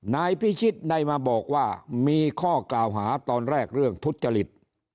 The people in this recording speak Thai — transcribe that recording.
นายพิชิตได้มาบอกว่ามีข้อกล่าวหาตอนแรกเรื่องทุจริต